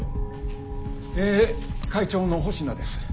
え会長の保科です。